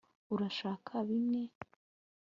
urashaka bimwe